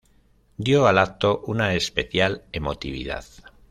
dio al acto una especial emotividad.